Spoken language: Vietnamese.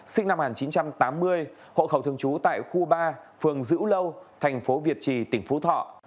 sinh năm một nghìn chín trăm tám mươi hộ khẩu thường trú tại khu ba phường dữ lâu thành phố việt trì tỉnh phú thọ